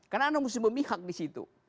karena anda harus memihak disitu